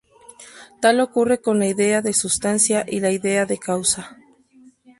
Tal ocurre con la idea de sustancia y la idea de causa.